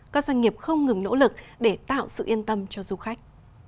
các doanh nghiệp không ngừng nỗ lực để tạo sự yên tâm cho du khách